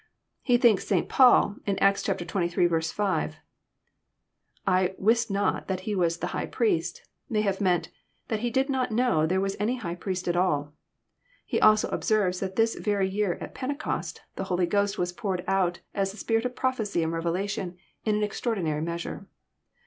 — He thinks St. Paul, in Acts xxiii. 5, " I wist not that he was the high priest,'* may have meant that he did not know there was any high priest at all." He also observes that this very year at Pentecost, the Holy Ghost was poured out as the spirit of prophecy and revelation in an extraordinary measure.